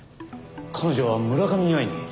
彼女は村上に会いに。